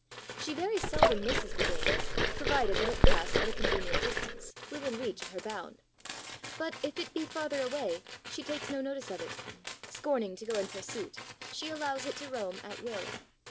She very seldom misses the game, provided that it pass at a convenient distance, within reach of her bound. But if it be farther away she takes no notice of it. Scorning to go in pursuit, she allows it to roam at will.